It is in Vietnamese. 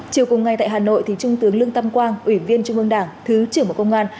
chiều cùng ngày tại hà nội trung tướng lương tâm quang ủy viên trung ương đảng thứ trưởng bộ công an